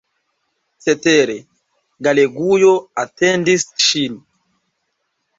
Cetere, Galegujo atendis ŝin.